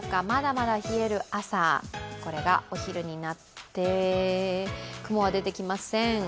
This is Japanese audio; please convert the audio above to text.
まだまだ冷える朝、これがお昼になって、雲は出てきません。